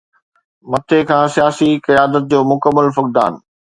مٿي کان سياسي قيادت جو مڪمل فقدان.